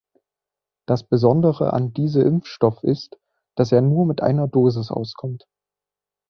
Das besondere an diese Impfstoff ist, dass er nur mit einer Dosis auskommt.